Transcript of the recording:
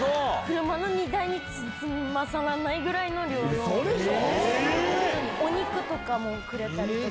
車の荷台に積めないぐらいの量の、お肉とかもくれたりとか。